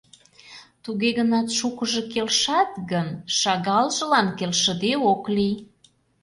Туге гынат шукыжо келшат гын, шагалжылан келшыде ок лий...